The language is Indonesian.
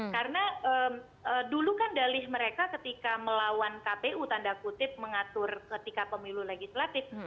karena dulu kan dalih mereka ketika melawan kpu tanda kutip mengatur ketika pemilu legislatif